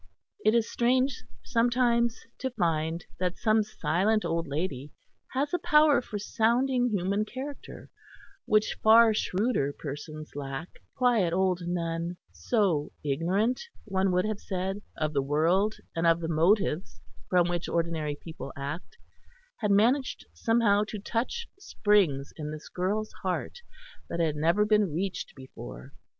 It is strange, sometimes, to find that some silent old lady has a power for sounding human character, which far shrewder persons lack; and this quiet old nun, so ignorant, one would have said, of the world and of the motives from which ordinary people act, had managed somehow to touch springs in this girl's heart that had never been reached before.